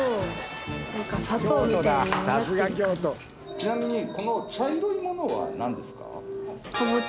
ちなみにこの茶色いものはなんですか？